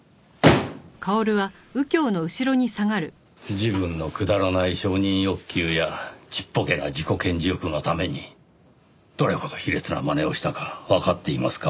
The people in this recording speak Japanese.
自分のくだらない承認欲求やちっぽけな自己顕示欲のためにどれほど卑劣なまねをしたかわかっていますか？